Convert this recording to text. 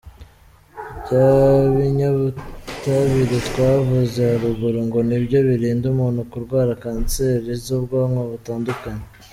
Bya binyabutabire twavuze haruguru ngo nibyo birinda umuntu kurwara kanseri z’ubwoko butandukanye.